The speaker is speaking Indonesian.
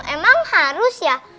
emang harus ya